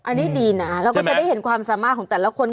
อันนี้ดีนะเราก็จะได้เห็นความสามารถของแต่ละคน